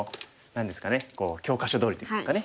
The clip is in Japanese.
教科書どおりといいますかね。